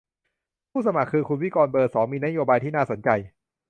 ผู้สมัครคือ คุณวิกรณ์ เบอร์ สอง มีนโยบายที่น่าสนใจ